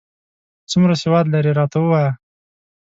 څومره سواد لرې، راته ووایه ؟